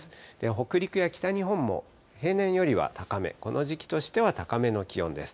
北陸や北日本も平年よりは高め、この時期としては高めの気温です。